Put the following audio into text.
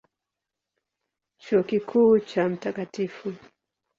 Chuo Kikuu cha Mt.